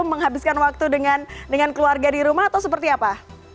menghabiskan waktu dengan keluarga di rumah atau seperti apa